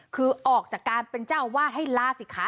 คือออกจากการเป็นเจ้าอาวาสให้ลาศิคะ